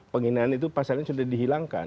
penghinaan itu pasalnya sudah dihilangkan